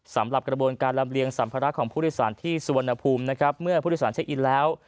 สำหรับกระบวนการลำเลียงสัมภาระของผู้โดยสารที่สุวรรณภูมินะครับเมื่อผู้โดยสารเช็คอินแล้ว